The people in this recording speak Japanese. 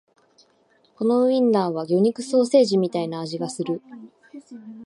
このウインナーは魚肉ソーセージみたいな味がする